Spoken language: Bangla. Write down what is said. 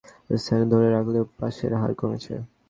মানবিক বিভাগ গতবারের মতো দ্বিতীয় স্থান ধরে রাখলেও পাসের হার কমেছে।